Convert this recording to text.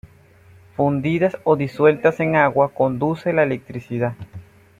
Fundidas o disueltas en agua, conducen la electricidad.